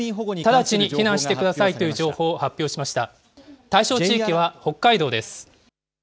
直ちに避難してくださいという情報を発表しました。